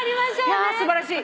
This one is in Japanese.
いや素晴らしい。